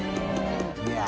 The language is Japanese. いや。